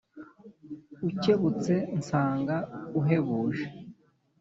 Ukebutse nsanga uhebuje